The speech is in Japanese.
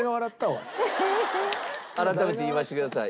改めて言わせてください。